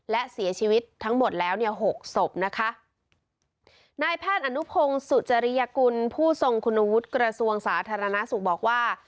และเสียชีวิตทั้งหมดแล้วเนี่ยหกศพนะคะนายแพทย์อนุพงศ์สุจริยกุลผู้ทรงคุณวุฒิกระทรวงสาธารณสุขบอกว่า